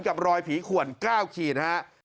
กับรอยผีขวน๙ขีดนะฮะ